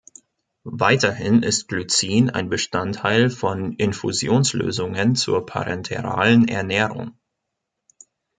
Weiterhin ist Glycin ein Bestandteil von Infusionslösungen zur parenteralen Ernährung.